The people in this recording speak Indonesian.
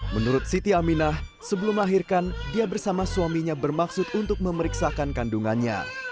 menurut siti aminah sebelum melahirkan dia bersama suaminya bermaksud untuk memeriksakan kandungannya